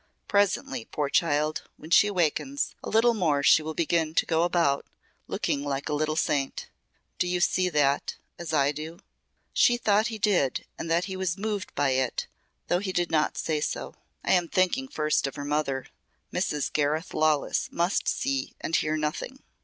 Presently, poor child, when she awakens a little more she will begin to go about looking like a little saint. Do you see that as I do?" She thought he did and that he was moved by it though he did not say so. "I am thinking first of her mother. Mrs. Gareth Lawless must see and hear nothing.